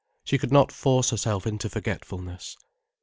She could not force herself into forgetfulness.